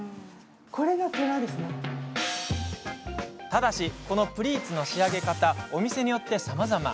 ただし、このプリーツの仕上げ方お店によってさまざま。